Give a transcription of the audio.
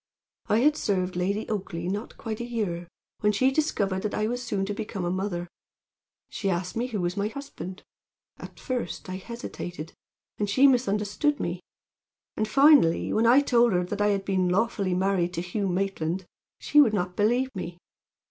"I had served Lady Oakleigh not quite a year when she discovered that I was soon to become a mother. She asked me who was my husband. At first I hesitated, and she misunderstood me; and finally, when I told her that I had been lawfully married to Hugh Maitland, she would not believe me.